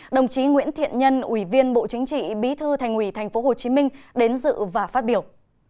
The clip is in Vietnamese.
đồng chí nguyễn thiện nhân ubnd tp hcm đến dự và phát biểu